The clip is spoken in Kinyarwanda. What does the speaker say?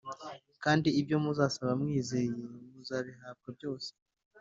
Kandi ibyo muzasaba mwizeye muzabihabwa byose.”